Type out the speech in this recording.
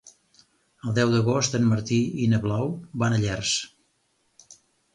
El deu d'agost en Martí i na Blau van a Llers.